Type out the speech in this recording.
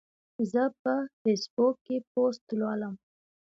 زه په فیسبوک کې پوسټ لولم.